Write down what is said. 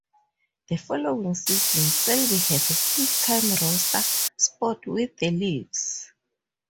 The following season, Selby had a full-time roster spot with the Leafs.